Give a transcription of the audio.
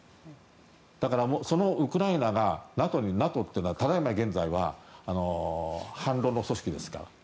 だから、そのウクライナがＮＡＴＯにＮＡＴＯというのはただ今、現在は反ロの組織ですから。